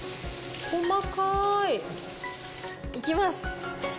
細かい。いきます。